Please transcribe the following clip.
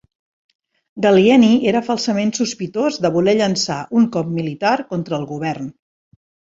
Gallieni era falsament sospitós de voler llançar un cop militar contra el govern.